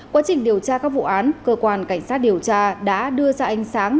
quá trình điều tra các vụ án cơ quan cảnh sát điều tra đã đưa ra ánh sáng